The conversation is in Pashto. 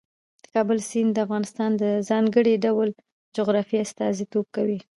د کابل سیند د افغانستان د ځانګړي ډول جغرافیه استازیتوب کوي.